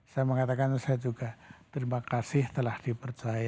saya mengatakan saya juga terima kasih telah dipercaya